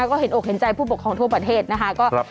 ก็เห็นอกเห็นใจผู้ปกครองทั่วประเทศนะคะ